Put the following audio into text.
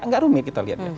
gak rumit kita lihat